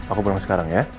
aku pulang sekarang ya